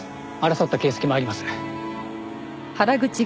争った形跡もあります。